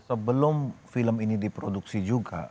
sebelum film ini diproduksi juga